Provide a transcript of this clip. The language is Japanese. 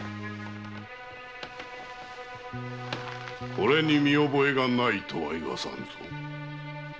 これに見覚えがないとは言わさぬぞ。